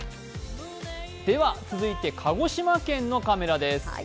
では、続いて鹿児島県のカメラです。